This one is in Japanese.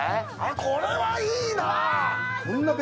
これはいいな！